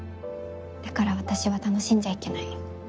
だから私は楽しんじゃいけない。